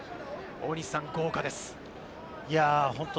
大西さん、豪華です。